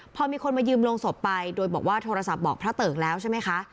พอมีคนมายืมโรงศพไปโดยบอกว่าโทรศัพท์บอกพระเติกแล้วใช่ไหมคะ